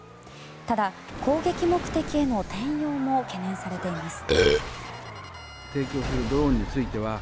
ただ、攻撃目的への転用も懸念されています。